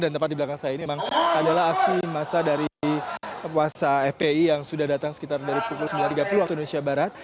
dan tepat di belakang saya ini memang adalah aksi massa dari puasa fpi yang sudah datang sekitar dari pukul sembilan tiga puluh waktu indonesia barat